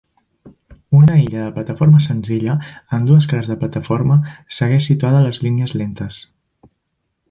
Una illa de plataforma senzilla amb dues cares de plataforma segueix situada a les línies lentes.